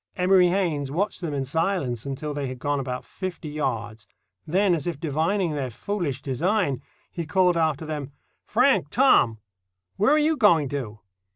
Emory Haynes watched them in silence until they had gone about fifty yards. Then, as if divining their foolish design, he called after them,— "Frank—Tom—where are you going to?"